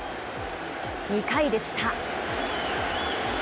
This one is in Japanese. ２回でした。